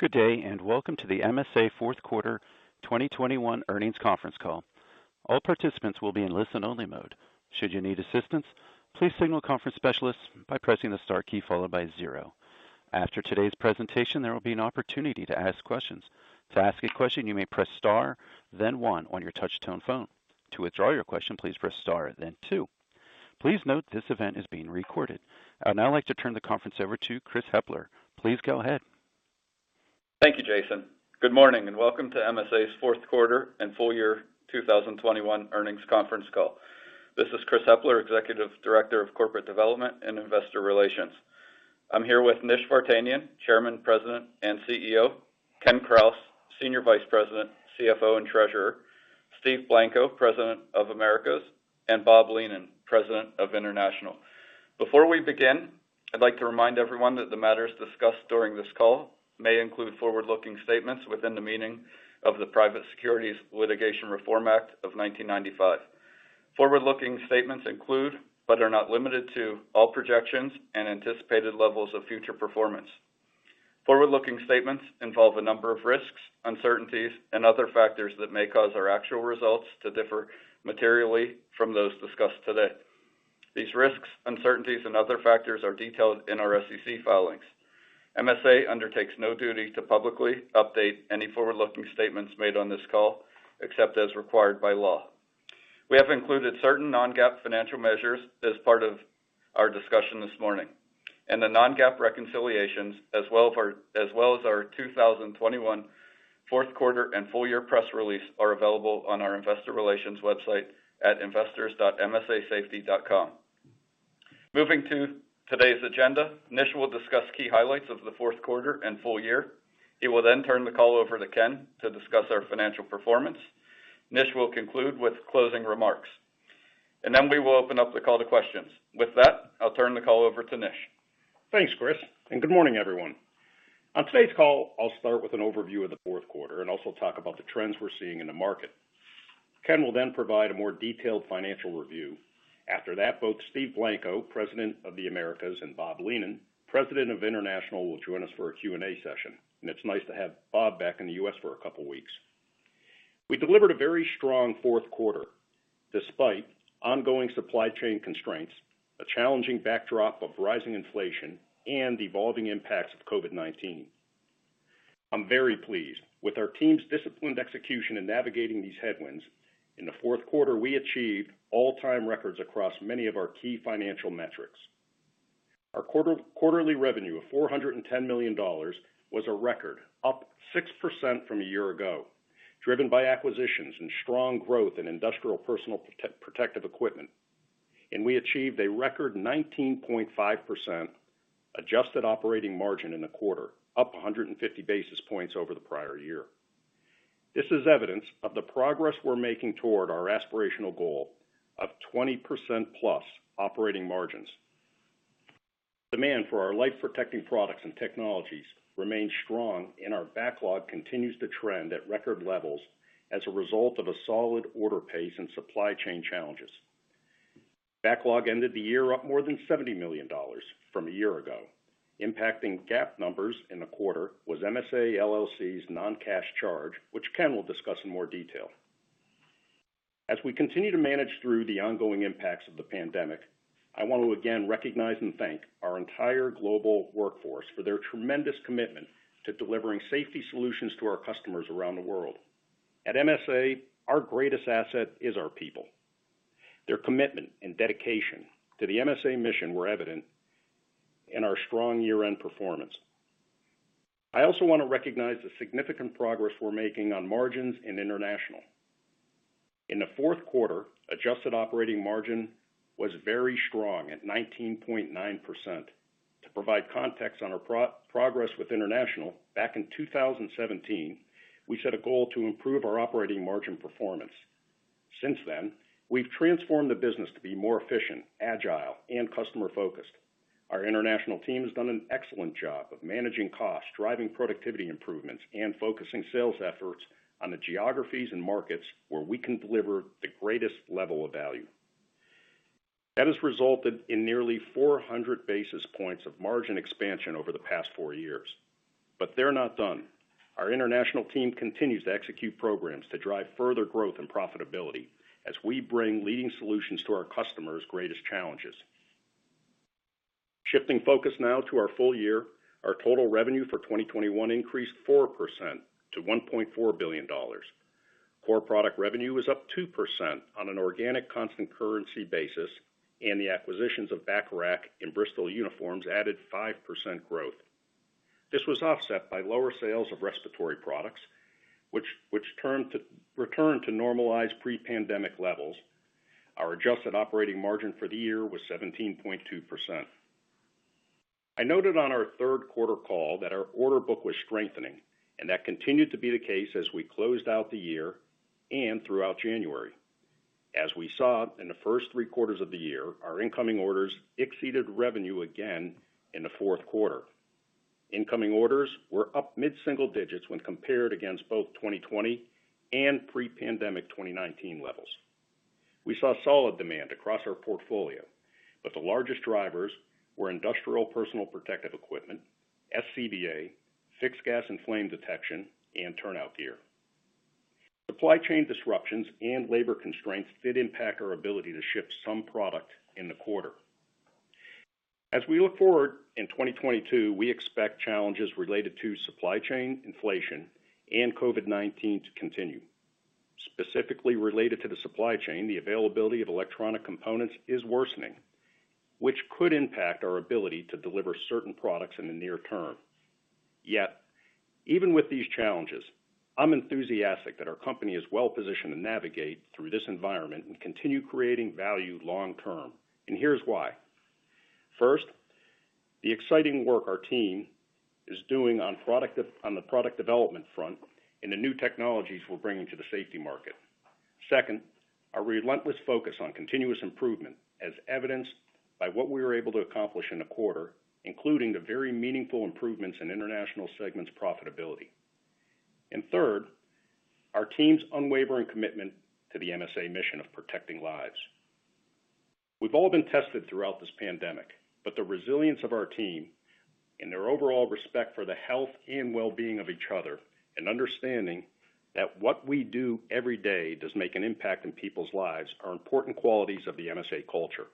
Good day, and welcome to the MSA fourth quarter 2021 earnings conference call. All participants will be in listen-only mode. Should you need assistance, please signal a conference specialist by pressing the star key followed by zero. After today's presentation, there will be an opportunity to ask questions. To ask a question, you may press star then one on your touch-tone phone. To withdraw your question, please press star then two. Please note this event is being recorded. I would now like to turn the conference over to Chris Hepler. Please go ahead. Thank you, Jason. Good morning and welcome to MSA's fourth quarter and full year 2021 earnings conference call. This is Chris Hepler, Executive Director of Corporate Development and Investor Relations. I'm here with Nish Vartanian, Chairman, President, and CEO, Ken Krause, Senior Vice President, CFO, and Treasurer, Steve Blanco, President of Americas, and Bob Leenen, President of International. Before we begin, I'd like to remind everyone that the matters discussed during this call may include forward-looking statements within the meaning of the Private Securities Litigation Reform Act of 1995. Forward-looking statements include, but are not limited to, all projections and anticipated levels of future performance. Forward-looking statements involve a number of risks, uncertainties, and other factors that may cause our actual results to differ materially from those discussed today. These risks, uncertainties, and other factors are detailed in our SEC filings. MSA undertakes no duty to publicly update any forward-looking statements made on this call, except as required by law. We have included certain non-GAAP financial measures as part of our discussion this morning, and the non-GAAP reconciliations as well as our 2021 fourth quarter and full year press release are available on our investor relations website at investors.msasafety.com. Moving to today's agenda, Nish will discuss key highlights of the fourth quarter and full year. He will then turn the call over to Ken to discuss our financial performance. Nish will conclude with closing remarks, and then we will open up the call to questions. With that, I'll turn the call over to Nish. Thanks, Chris, and good morning, everyone. On today's call, I'll start with an overview of the fourth quarter and also talk about the trends we're seeing in the market. Ken will then provide a more detailed financial review. After that, both Steve Blanco, President of the Americas, and Bob Leenen, President of International, will join us for a Q&A session. It's nice to have Bob back in the U.S. for a couple of weeks. We delivered a very strong fourth quarter despite ongoing supply chain constraints, a challenging backdrop of rising inflation, and the evolving impacts of COVID-19. I'm very pleased with our team's disciplined execution in navigating these headwinds. In the fourth quarter, we achieved all-time records across many of our key financial metrics. Our quarterly revenue of $410 million was a record, up 6% from a year ago, driven by acquisitions and strong growth in industrial personal protective equipment. We achieved a record 19.5% adjusted operating margin in the quarter, up 150 basis points over the prior year. This is evidence of the progress we're making toward our aspirational goal of 20%+ operating margins. Demand for our life protecting products and technologies remains strong, and our backlog continues to trend at record levels as a result of a solid order pace and supply chain challenges. Backlog ended the year up more than $70 million from a year ago. Impacting GAAP numbers in the quarter was MSA LLC's non-cash charge, which Ken will discuss in more detail. As we continue to manage through the ongoing impacts of the pandemic, I want to again recognize and thank our entire global workforce for their tremendous commitment to delivering safety solutions to our customers around the world. At MSA, our greatest asset is our people. Their commitment and dedication to the MSA mission were evident in our strong year-end performance. I also want to recognize the significant progress we're making on margins in International. In the fourth quarter, adjusted operating margin was very strong at 19.9%. To provide context on our progress with International, back in 2017, we set a goal to improve our operating margin performance. Since then, we've transformed the business to be more efficient, agile, and customer focused. Our International team has done an excellent job of managing costs, driving productivity improvements, and focusing sales efforts on the geographies and markets where we can deliver the greatest level of value. That has resulted in nearly 400 basis points of margin expansion over the past four years. They're not done. Our International team continues to execute programs to drive further growth and profitability as we bring leading solutions to our customers' greatest challenges. Shifting focus now to our full year. Our total revenue for 2021 increased 4% to $1.4 billion. Core product revenue was up 2% on an organic constant currency basis, and the acquisitions of Bacharach and Bristol Uniforms added 5% growth. This was offset by lower sales of respiratory products, which returned to normalized pre-pandemic levels. Our adjusted operating margin for the year was 17.2%. I noted on our third quarter call that our order book was strengthening, and that continued to be the case as we closed out the year and throughout January. As we saw in the first three quarters of the year, our incoming orders exceeded revenue again in the fourth quarter. Incoming orders were up mid-single digits when compared against both 2020 and pre-pandemic 2019 levels. We saw solid demand across our portfolio, but the largest drivers were industrial personal protective equipment, SCBA, fixed gas and flame detection, and turnout gear. Supply chain disruptions and labor constraints did impact our ability to ship some product in the quarter. As we look forward in 2022, we expect challenges related to supply chain inflation and COVID-19 to continue. Specifically related to the supply chain, the availability of electronic components is worsening, which could impact our ability to deliver certain products in the near term. Yet even with these challenges, I'm enthusiastic that our company is well-positioned to navigate through this environment and continue creating value long term. Here's why. First, the exciting work our team is doing on the product development front and the new technologies we're bringing to the safety market. Second, our relentless focus on continuous improvement, as evidenced by what we were able to accomplish in the quarter, including the very meaningful improvements in International segment's profitability. Third, our team's unwavering commitment to the MSA mission of protecting lives. We've all been tested throughout this pandemic, but the resilience of our team and their overall respect for the health and well-being of each other, and understanding that what we do every day does make an impact in people's lives are important qualities of the MSA culture,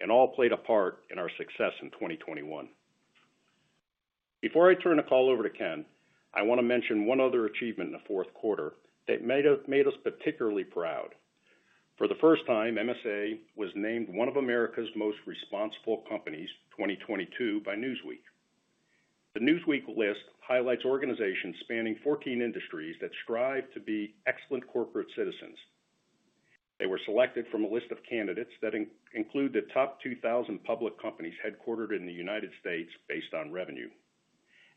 and all played a part in our success in 2021. Before I turn the call over to Ken, I wanna mention one other achievement in the fourth quarter that made us particularly proud. For the first time, MSA was named one of America's Most Responsible Companies 2022 by Newsweek. The Newsweek list highlights organizations spanning 14 industries that strive to be excellent corporate citizens. They were selected from a list of candidates that include the top 2,000 public companies headquartered in the United States based on revenue.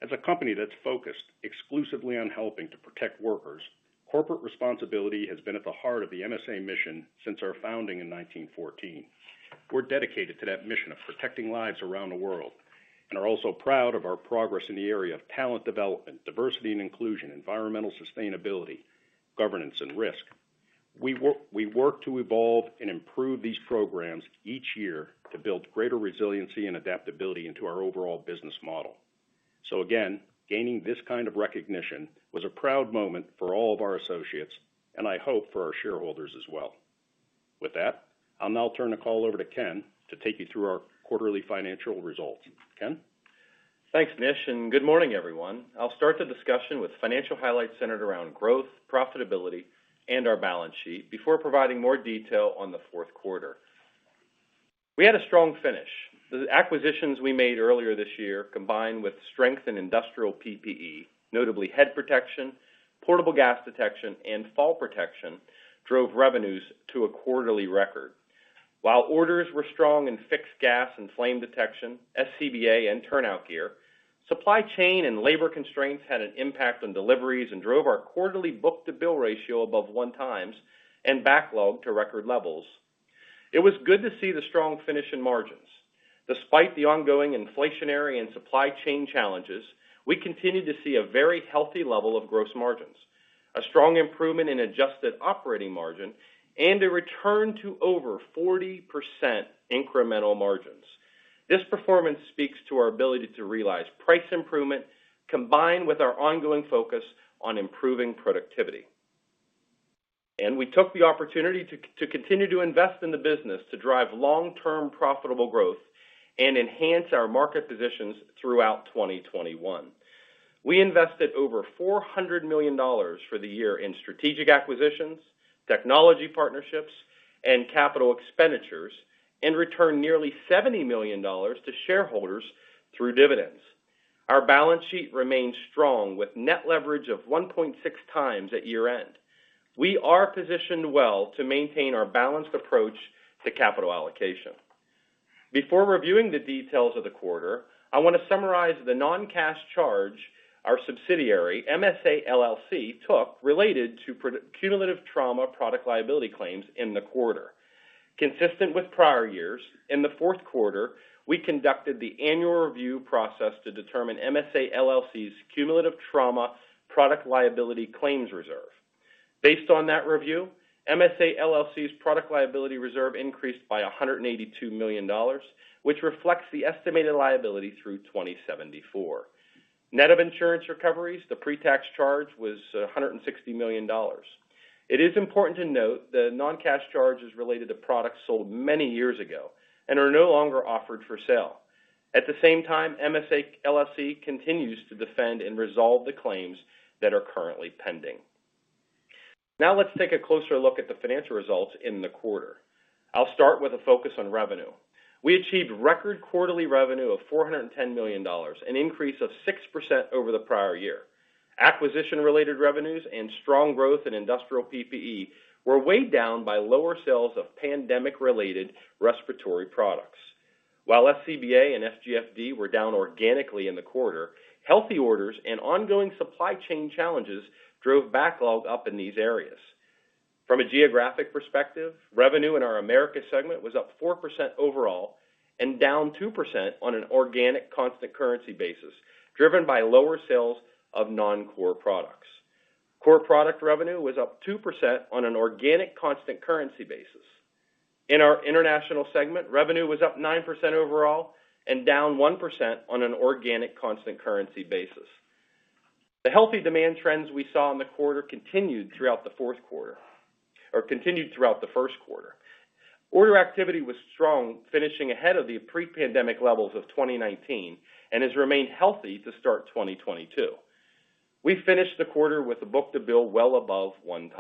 As a company that's focused exclusively on helping to protect workers, corporate responsibility has been at the heart of the MSA mission since our founding in 1914. We're dedicated to that mission of protecting lives around the world and are also proud of our progress in the area of talent development, diversity and inclusion, environmental sustainability, governance and risk. We work to evolve and improve these programs each year to build greater resiliency and adaptability into our overall business model. Again, gaining this kind of recognition was a proud moment for all of our associates, and I hope for our shareholders as well. With that, I'll now turn the call over to Ken to take you through our quarterly financial results. Ken? Thanks, Nish, and good morning, everyone. I'll start the discussion with financial highlights centered around growth, profitability, and our balance sheet before providing more detail on the fourth quarter. We had a strong finish. The acquisitions we made earlier this year, combined with strength in industrial PPE, notably head protection, portable gas detection, and fall protection, drove revenues to a quarterly record. While orders were strong in fixed gas and flame detection, SCBA and turnout gear, supply chain and labor constraints had an impact on deliveries and drove our quarterly book-to-bill ratio above one times and backlog to record levels. It was good to see the strong finish in margins. Despite the ongoing inflationary and supply chain challenges, we continued to see a very healthy level of gross margins, a strong improvement in adjusted operating margin, and a return to over 40% incremental margins. This performance speaks to our ability to realize price improvement combined with our ongoing focus on improving productivity. We took the opportunity to continue to invest in the business to drive long-term profitable growth and enhance our market positions throughout 2021. We invested over $400 million for the year in strategic acquisitions, technology partnerships and capital expenditures, and returned nearly $70 million to shareholders through dividends. Our balance sheet remains strong with net leverage of 1.6x at year-end. We are positioned well to maintain our balanced approach to capital allocation. Before reviewing the details of the quarter, I wanna summarize the non-cash charge our subsidiary, MSA LLC, took related to cumulative trauma product liability claims in the quarter. Consistent with prior years, in the fourth quarter, we conducted the annual review process to determine MSA LLC's cumulative trauma product liability claims reserve. Based on that review, MSA LLC's product liability reserve increased by $182 million, which reflects the estimated liability through 2074. Net of insurance recoveries, the pre-tax charge was $160 million. It is important to note the non-cash charge is related to products sold many years ago and are no longer offered for sale. At the same time, MSA LLC continues to defend and resolve the claims that are currently pending. Now let's take a closer look at the financial results in the quarter. I'll start with a focus on revenue. We achieved record quarterly revenue of $410 million, an increase of 6% over the prior year. Acquisition-related revenues and strong growth in industrial PPE were weighed down by lower sales of pandemic-related respiratory products. While SCBA and FGFD were down organically in the quarter, healthy orders and ongoing supply chain challenges drove backlog up in these areas. From a geographic perspective, revenue in our Americas segment was up 4% overall and down 2% on an organic constant currency basis, driven by lower sales of non-core products. Core product revenue was up 2% on an organic constant currency basis. In our International segment, revenue was up 9% overall and down 1% on an organic constant currency basis. The healthy demand trends we saw in the quarter continued throughout the first quarter. Order activity was strong, finishing ahead of the pre-pandemic levels of 2019, and has remained healthy to start 2022. We finished the quarter with a book-to-bill well above 1x.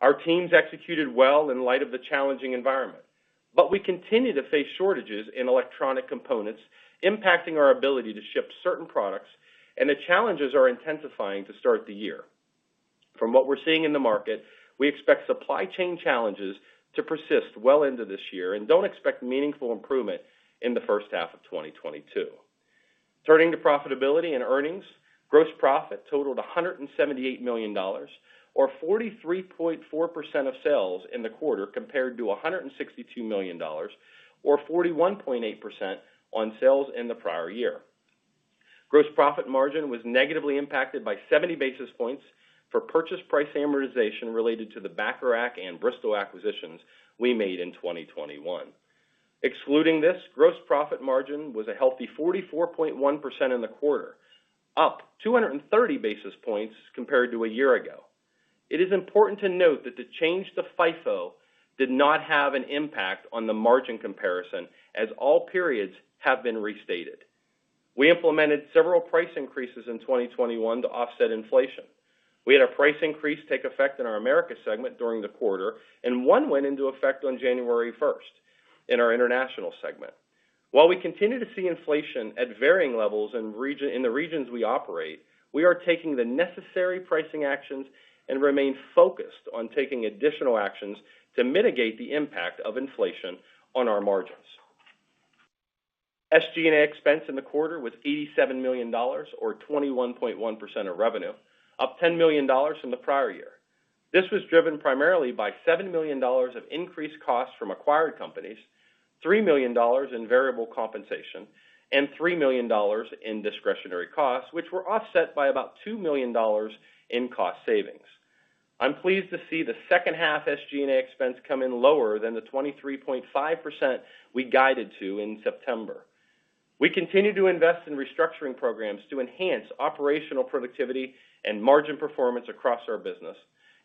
Our teams executed well in light of the challenging environment, but we continue to face shortages in electronic components, impacting our ability to ship certain products, and the challenges are intensifying to start the year. From what we're seeing in the market, we expect supply chain challenges to persist well into this year and don't expect meaningful improvement in the first half of 2022. Turning to profitability and earnings. Gross profit totaled $178 million, or 43.4% of sales in the quarter, compared to $162 million, or 41.8%, on sales in the prior year. Gross profit margin was negatively impacted by 70 basis points for purchase price amortization related to the Bacharach and Bristol acquisitions we made in 2021. Excluding this, gross profit margin was a healthy 44.1% in the quarter, up 230 basis points compared to a year ago. It is important to note that the change to FIFO did not have an impact on the margin comparison as all periods have been restated. We implemented several price increases in 2021 to offset inflation. We had a price increase take effect in our Americas segment during the quarter, and one went into effect on January first in our International segment. While we continue to see inflation at varying levels in the regions we operate, we are taking the necessary pricing actions and remain focused on taking additional actions to mitigate the impact of inflation on our margins. SG&A expense in the quarter was $87 million or 21.1% of revenue, up $10 million from the prior year. This was driven primarily by $7 million of increased costs from acquired companies, $3 million in variable compensation, and $3 million in discretionary costs, which were offset by about $2 million in cost savings. I'm pleased to see the second half SG&A expense come in lower than the 23.5% we guided to in September. We continue to invest in restructuring programs to enhance operational productivity and margin performance across our business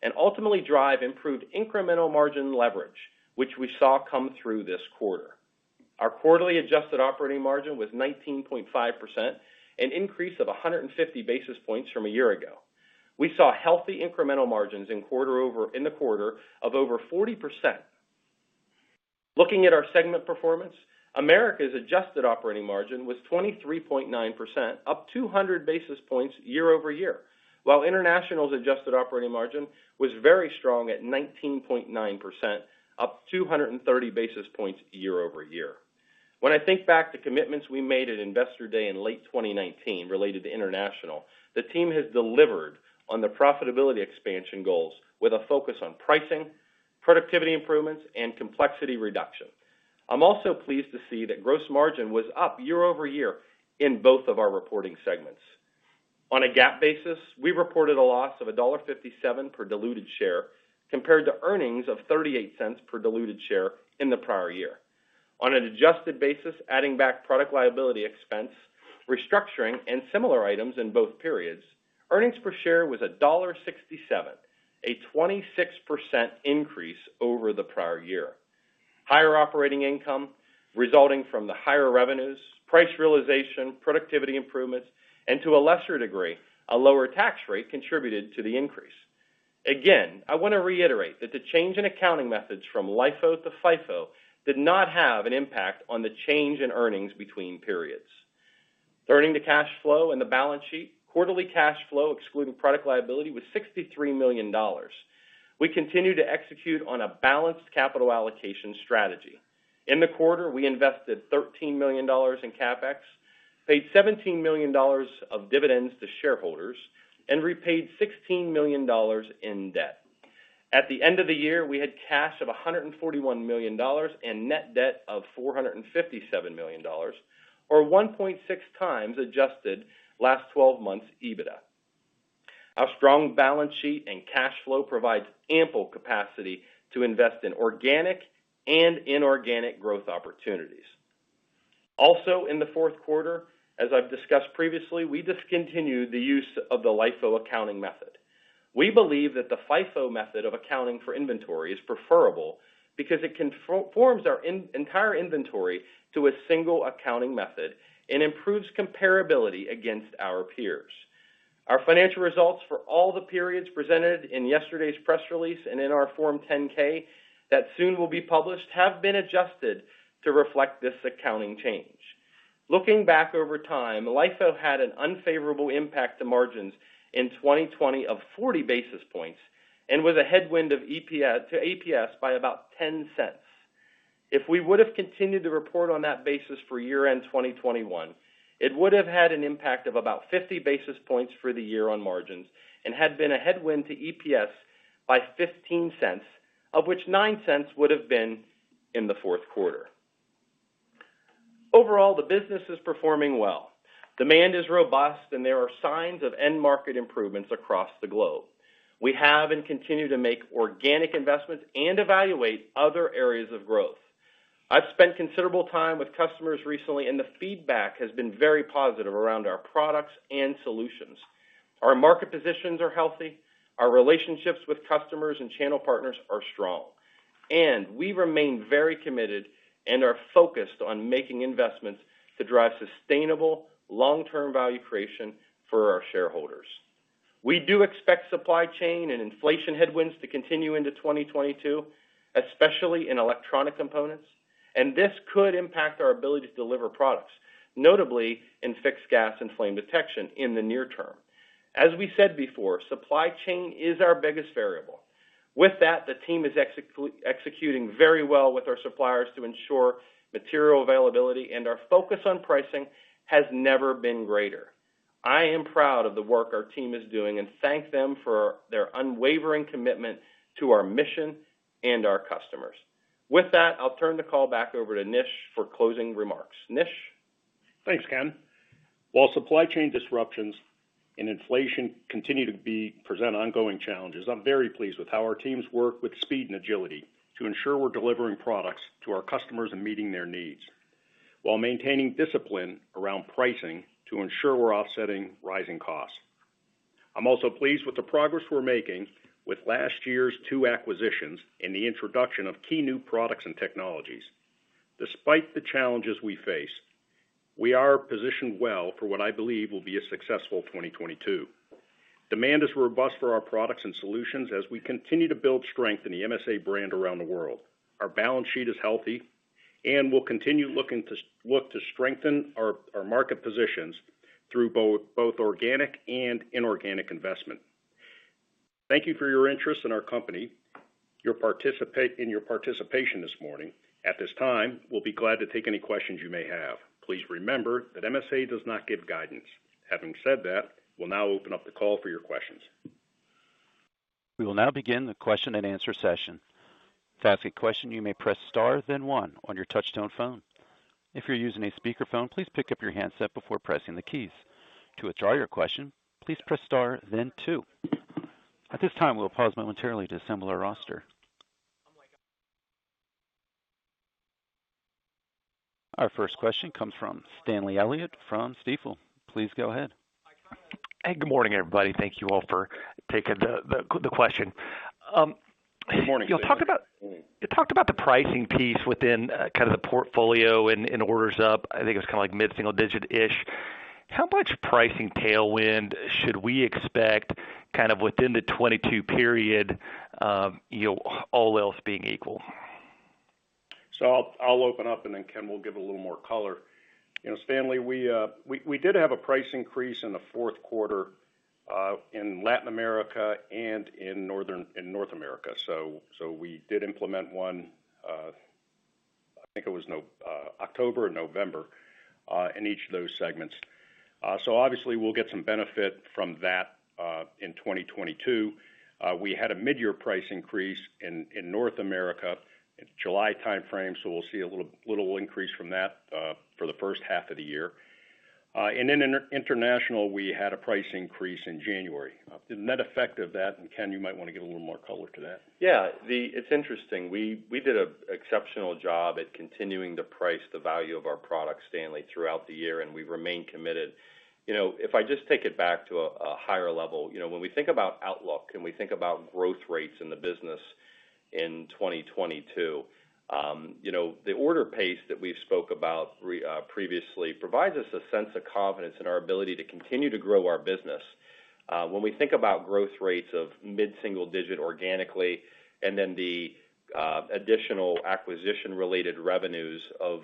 and ultimately drive improved incremental margin leverage, which we saw come through this quarter. Our quarterly adjusted operating margin was 19.5%, an increase of 150 basis points from a year ago. We saw healthy incremental margins in the quarter of over 40%. Looking at our segment performance, Americas' adjusted operating margin was 23.9%, up 200 basis points year-over-year, while International's adjusted operating margin was very strong at 19.9%, up 230 basis points year-over-year. When I think back to commitments we made at Investor Day in late 2019 related to International, the team has delivered on the profitability expansion goals with a focus on pricing, productivity improvements, and complexity reduction. I'm also pleased to see that gross margin was up year-over-year in both of our reporting segments. On a GAAP basis, we reported a loss of $1.57 per diluted share compared to earnings of $0.38 per diluted share in the prior year. On an adjusted basis, adding back product liability expense, restructuring, and similar items in both periods, earnings per share was $1.67, a 26% increase over the prior year. Higher operating income resulting from the higher revenues, price realization, productivity improvements, and to a lesser degree, a lower tax rate contributed to the increase. Again, I want to reiterate that the change in accounting methods from LIFO to FIFO did not have an impact on the change in earnings between periods. Turning to cash flow and the balance sheet. Quarterly cash flow, excluding product liability, was $63 million. We continue to execute on a balanced capital allocation strategy. In the quarter, we invested $13 million in CapEx, paid $17 million of dividends to shareholders, and repaid $16 million in debt. At the end of the year, we had cash of $141 million and net debt of $457 million or 1.6x adjusted last twelve months EBITDA. Our strong balance sheet and cash flow provides ample capacity to invest in organic and inorganic growth opportunities. Also in the fourth quarter, as I've discussed previously, we discontinued the use of the LIFO accounting method. We believe that the FIFO method of accounting for inventory is preferable because it conforms our entire inventory to a single accounting method and improves comparability against our peers. Our financial results for all the periods presented in yesterday's press release and in our Form 10-K that soon will be published have been adjusted to reflect this accounting change. Looking back over time, LIFO had an unfavorable impact to margins in 2020 of 40 basis points and with a headwind to EPS by about $0.10. If we would have continued to report on that basis for year-end 2021, it would have had an impact of about 50 basis points for the year on margins and had been a headwind to EPS by $0.15, of which $0.09 would have been in the fourth quarter. Overall, the business is performing well. Demand is robust, and there are signs of end market improvements across the globe. We have and continue to make organic investments and evaluate other areas of growth. I've spent considerable time with customers recently, and the feedback has been very positive around our products and solutions. Our market positions are healthy. Our relationships with customers and channel partners are strong, and we remain very committed and are focused on making investments to drive sustainable long-term value creation for our shareholders. We do expect supply chain and inflation headwinds to continue into 2022, especially in electronic components, and this could impact our ability to deliver products, notably in fixed gas and flame detection in the near term. As we said before, supply chain is our biggest variable. With that, the team is executing very well with our suppliers to ensure material availability, and our focus on pricing has never been greater. I am proud of the work our team is doing and thank them for their unwavering commitment to our mission and our customers. With that, I'll turn the call back over to Nish for closing remarks. Nish? Thanks, Ken. While supply chain disruptions and inflation continue to present ongoing challenges, I'm very pleased with how our teams work with speed and agility to ensure we're delivering products to our customers and meeting their needs while maintaining discipline around pricing to ensure we're offsetting rising costs. I'm also pleased with the progress we're making with last year's two acquisitions and the introduction of key new products and technologies. Despite the challenges we face, we are positioned well for what I believe will be a successful 2022. Demand is robust for our products and solutions as we continue to build strength in the MSA brand around the world. Our balance sheet is healthy, and we'll continue looking to look to strengthen our market positions through both organic and inorganic investment. Thank you for your interest in our company, and your participation this morning. At this time, we'll be glad to take any questions you may have. Please remember that MSA does not give guidance. Having said that, we'll now open up the call for your questions. We will now begin the question-and-answer session. To ask a question, you may press star then one on your touch-tone phone. If you're using a speakerphone, please pick up your handset before pressing the keys. To withdraw your question, please press star then two. At this time, we'll pause momentarily to assemble our roster. Our first question comes from Stanley Elliott from Stifel. Please go ahead. Hey, good morning, everybody. Thank you all for taking the question. Good morning. You talked about the pricing piece within kind of the portfolio and orders up. I think it was kind of like mid-single digit-ish. How much pricing tailwind should we expect kind of within the 2022 period, you know, all else being equal? I'll open up and then Ken will give a little more color. You know, Stanley, we did have a price increase in the fourth quarter in Latin America and in North America. We did implement one, I think it was October or November, in each of those segments. Obviously we'll get some benefit from that in 2022. We had a mid-year price increase in North America in July timeframe, we'll see a little increase from that for the first half of the year. In International, we had a price increase in January. The net effect of that, and Ken, you might want to give a little more color to that. Yeah. It's interesting. We did an exceptional job at continuing to price the value of our products, Stanley, throughout the year, and we remain committed. You know, if I just take it back to a higher level, you know, when we think about outlook and we think about growth rates in the business in 2022, you know, the order pace that we've spoke about previously provides us a sense of confidence in our ability to continue to grow our business. When we think about growth rates of mid-single-digit organically, and then the additional acquisition-related revenues of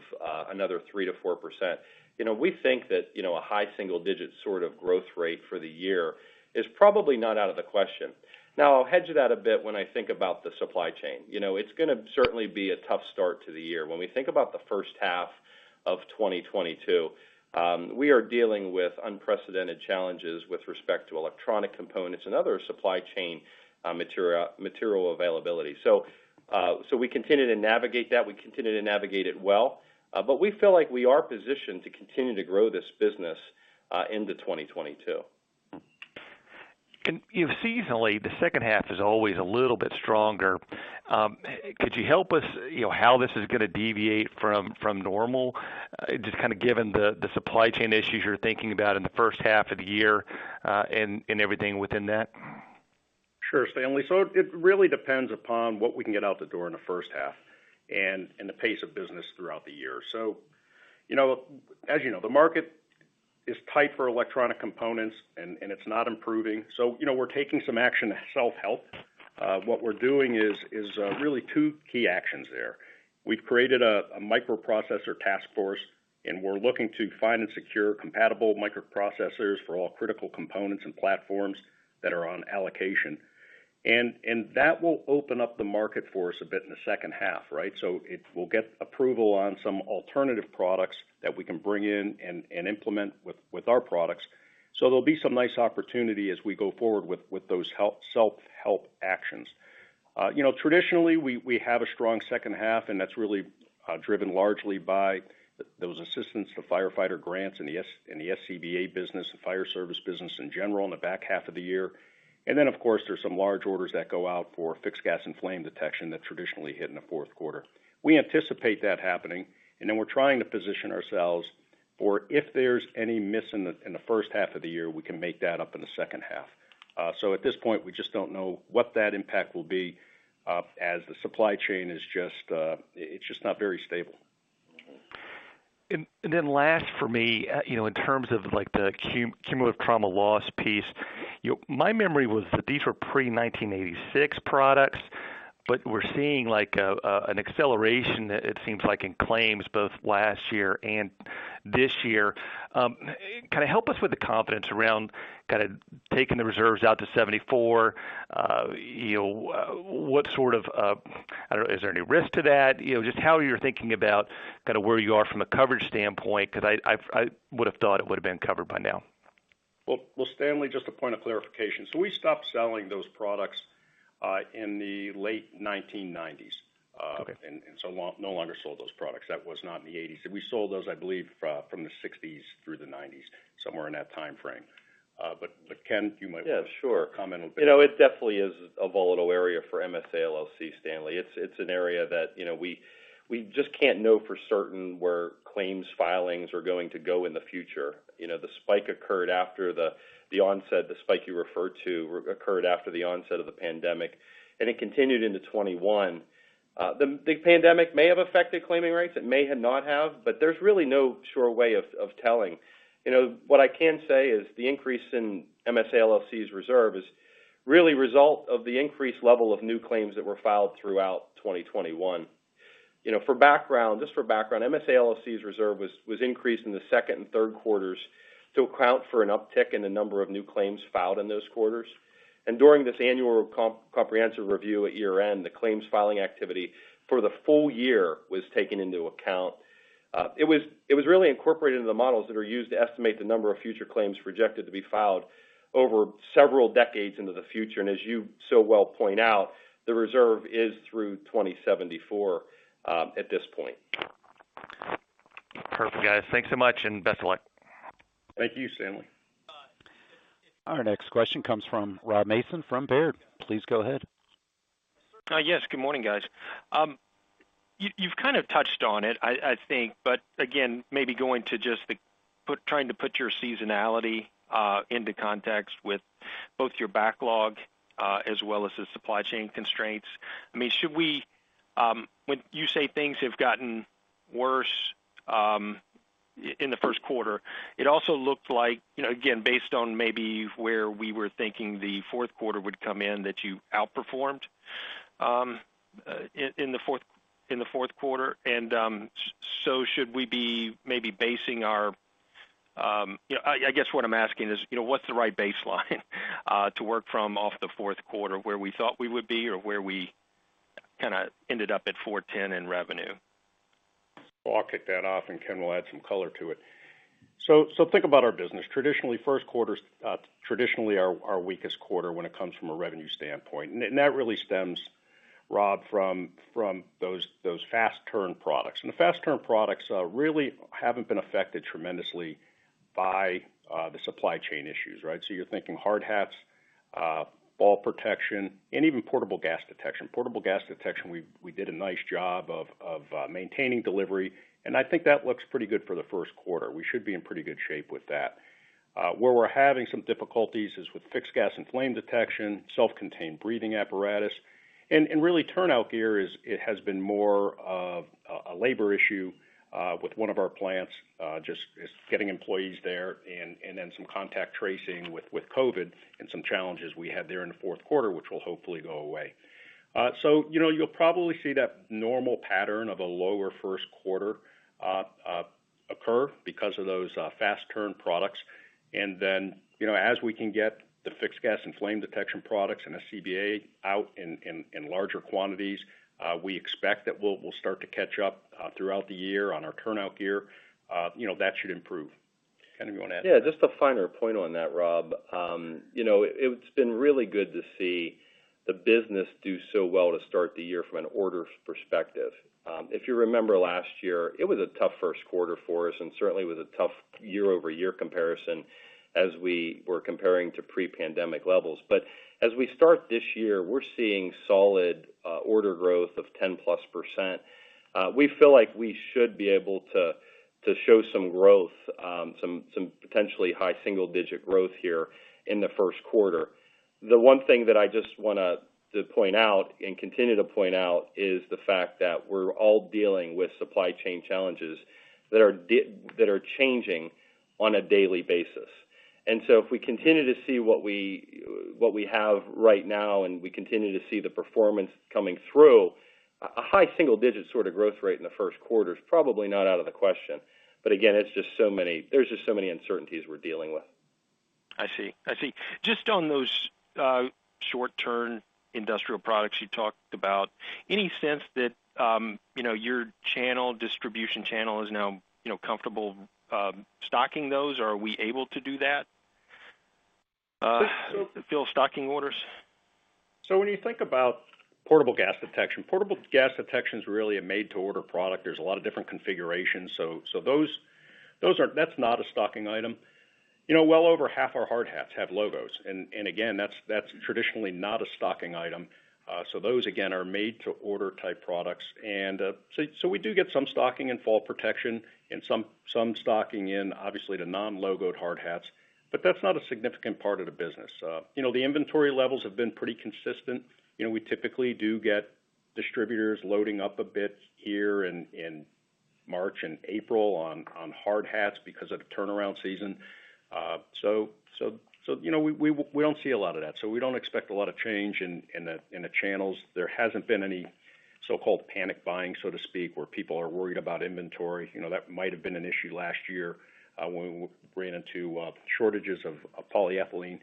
another 3%-4%, you know, we think that, you know, a high single-digit sort of growth rate for the year is probably not out of the question. Now, I'll hedge that a bit when I think about the supply chain. You know, it's gonna certainly be a tough start to the year. When we think about the first half of 2022, we are dealing with unprecedented challenges with respect to electronic components and other supply chain material availability. We continue to navigate that. We continue to navigate it well. We feel like we are positioned to continue to grow this business into 2022. You know, seasonally, the second half is always a little bit stronger. Could you help us, you know, how this is gonna deviate from normal, just kind of given the supply chain issues you're thinking about in the first half of the year, and everything within that? Sure, Stanley. It really depends upon what we can get out the door in the first half and the pace of business throughout the year. You know, as you know, the market is tight for electronic components and it's not improving. You know, we're taking some action to self-help. What we're doing is really two key actions there. We've created a microprocessor task force, and we're looking to find and secure compatible microprocessors for all critical components and platforms that are on allocation. That will open up the market for us a bit in the second half, right? It will get approval on some alternative products that we can bring in and implement with our products. There'll be some nice opportunity as we go forward with those self-help actions. You know, traditionally, we have a strong second half, and that's really driven largely by those Assistance to Firefighters Grants in the SCBA business, the fire service business in general in the back half of the year. Then, of course, there's some large orders that go out for fixed gas and flame detection that traditionally hit in the fourth quarter. We anticipate that happening, and then we're trying to position ourselves for if there's any miss in the first half of the year, we can make that up in the second half. At this point, we just don't know what that impact will be, as the supply chain is just not very stable. Then last for me, you know, in terms of like the cumulative trauma loss piece, my memory was that these were pre-1986 products, but we're seeing like, an acceleration, it seems like, in claims both last year and this year. Kinda help us with the confidence around kinda taking the reserves out to 2074. You know, what sort of, I don't know, is there any risk to that? You know, just how you're thinking about kinda where you are from a coverage standpoint, 'cause I would have thought it would have been covered by now. Well, well, Stanley, just a point of clarification. We stopped selling those products in the late 1990s. Okay. No longer sold those products. That was not in the eighties. We sold those, I believe, from the sixties through the nineties, somewhere in that timeframe. Ken, you might. Yeah, sure. Comment a bit. You know, it definitely is a volatile area for MSA LLC, Stanley. It's an area that, you know, we just can't know for certain where claims filings are going to go in the future. You know, the spike you referred to occurred after the onset of the pandemic, and it continued into 2021. The pandemic may have affected claiming rates, it may not have, but there's really no sure way of telling. You know, what I can say is the increase in MSA LLC's reserve is really result of the increased level of new claims that were filed throughout 2021. You know, for background, just for background, MSA LLC's reserve was increased in the second and third quarters to account for an uptick in the number of new claims filed in those quarters. During this annual comprehensive review at year-end, the claims filing activity for the full year was taken into account. It was really incorporated into the models that are used to estimate the number of future claims projected to be filed over several decades into the future. As you so well point out, the reserve is through 2074 at this point. Perfect, guys. Thanks so much and best of luck. Thank you, Stanley. Our next question comes from Rob Mason from Baird. Please go ahead. Yes. Good morning, guys. You've kind of touched on it, I think, but again, maybe trying to put your seasonality into context with both your backlog as well as the supply chain constraints. I mean, should we? When you say things have gotten worse in the first quarter, it also looked like, you know, again, based on maybe where we were thinking the fourth quarter would come in, that you outperformed in the fourth quarter. So should we be maybe basing our? You know, I guess what I'm asking is, you know, what's the right baseline to work from off the fourth quarter where we thought we would be or where we kinda ended up at $410 million in revenue? I'll kick that off, and Ken will add some color to it. Think about our business. Traditionally, first quarter's traditionally our weakest quarter when it comes from a revenue standpoint. That really stems, Rob, from those fast turn products. The fast turn products really haven't been affected tremendously by the supply chain issues, right? You're thinking hard hats, fall protection, and even portable gas detection. Portable gas detection, we did a nice job of maintaining delivery, and I think that looks pretty good for the first quarter. We should be in pretty good shape with that. Where we're having some difficulties is with fixed gas and flame detection, self-contained breathing apparatus. Really, turnout gear has been more of a labor issue with one of our plants just getting employees there and then some contact tracing with COVID and some challenges we had there in the fourth quarter, which will hopefully go away. So, you know, you'll probably see that normal pattern of a lower first quarter occur because of those fast turn products. Then, you know, as we can get the fixed gas and flame detection products and SCBA out in larger quantities, we expect that we'll start to catch up throughout the year on our turnout gear. You know, that should improve. Ken, do you wanna add? Yeah, just a finer point on that, Rob. You know, it's been really good to see the business do so well to start the year from an order perspective. If you remember last year, it was a tough first quarter for us and certainly was a tough year-over-year comparison as we were comparing to pre-pandemic levels. As we start this year, we're seeing solid order growth of 10%+. We feel like we should be able to show some growth, some potentially high single digit growth here in the first quarter. The one thing that I just want to point out and continue to point out is the fact that we're all dealing with supply chain challenges that are changing on a daily basis. if we continue to see what we have right now and we continue to see the performance coming through, a high single-digit sort of growth rate in the first quarter is probably not out of the question. Again, there's just so many uncertainties we're dealing with. I see. Just on those, short-term industrial products you talked about, any sense that, you know, your channel, distribution channel is now, you know, comfortable, stocking those? Are we able to do that? Fill stocking orders? When you think about portable gas detection, portable gas detection is really a made to order product. There's a lot of different configurations. Those are not a stocking item. You know, well over half our hard hats have logos. Again, that's traditionally not a stocking item. Those again are made to order type products. We do get some stocking in fall protection and some stocking in obviously the non-logoed hard hats. But that's not a significant part of the business. You know, the inventory levels have been pretty consistent. You know, we typically do get distributors loading up a bit here in March and April on hard hats because of turnaround season. You know, we don't see a lot of that. We don't expect a lot of change in the channels. There hasn't been any so-called panic buying, so to speak, where people are worried about inventory. You know, that might have been an issue last year, when we ran into shortages of polyethylene.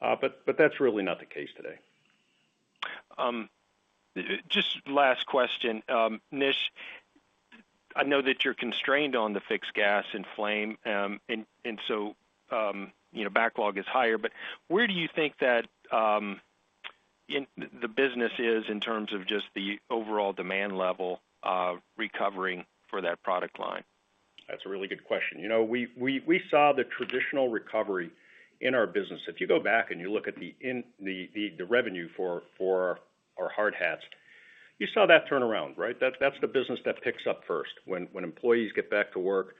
But that's really not the case today. Just last question? Nish, I know that you're constrained on the fixed gas and flame, and so, you know, backlog is higher. Where do you think that the business is in terms of just the overall demand level of recovering for that product line? That's a really good question. You know, we saw the traditional recovery in our business. If you go back and you look at the revenue for our hard hats, you saw that turnaround, right? That's the business that picks up first. When employees get back to work,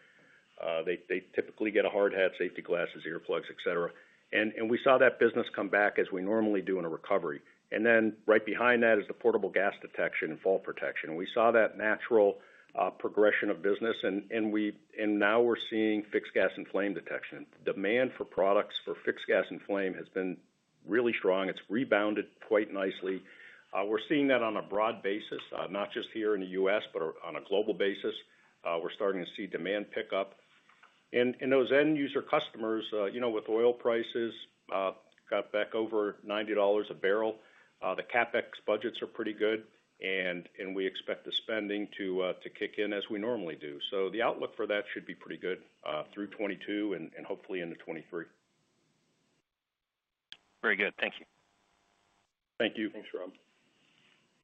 they typically get a hard hat, safety glasses, earplugs, et cetera. We saw that business come back as we normally do in a recovery. Then right behind that is the portable gas detection and fall protection. We saw that natural progression of business and now we're seeing fixed gas and flame detection. Demand for products for fixed gas and flame has been really strong. It's rebounded quite nicely. We're seeing that on a broad basis, not just here in the U.S., but on a global basis, we're starting to see demand pick up. Those end user customers, you know, with oil prices got back over $90 a barrel. The CapEx budgets are pretty good, and we expect the spending to kick in as we normally do. The outlook for that should be pretty good through 2022 and hopefully into 2023. Very good. Thank you. Thank you. Thanks, Rob.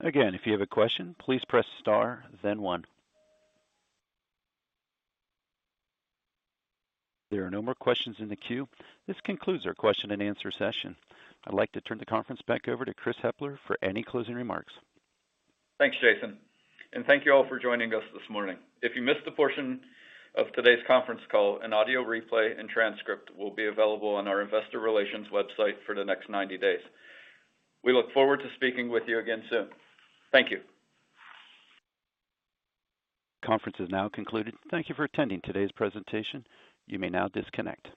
Again, if you have a question, please press star, then one. There are no more questions in the queue. This concludes our question and answer session. I'd like to turn the conference back over to Chris Hepler for any closing remarks. Thanks, Jason, and thank you all for joining us this morning. If you missed a portion of today's conference call, an audio replay and transcript will be available on our investor relations website for the next 90 days. We look forward to speaking with you again soon. Thank you. Conference is now concluded. Thank you for attending today's presentation. You may now disconnect.